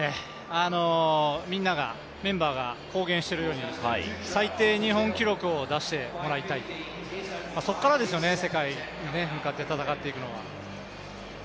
みんながメンバーが公言しているように、最低、日本記録を出してもらいたいそこからですよね、世界に向かって戦ってくのは。